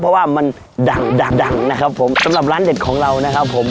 เพราะว่ามันดังดังนะครับผมสำหรับร้านเด็ดของเรานะครับผม